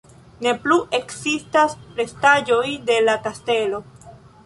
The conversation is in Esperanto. Ne plu ekzistas restaĵoj de la kastelo.